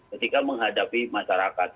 ketika menghadapi masyarakat gitu